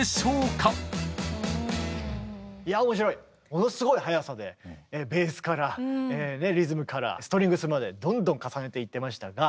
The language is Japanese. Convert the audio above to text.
ものすごい早さでベースからリズムからストリングスまでどんどん重ねていってましたが。